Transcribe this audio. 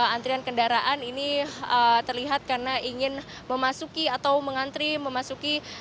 antrian kendaraan ini terlihat karena ingin memasuki atau mengantri memasuki rest area di km tiga puluh sembilan